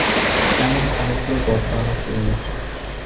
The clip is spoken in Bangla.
এমন অনেকগুলো গর্ত আমি চিনি।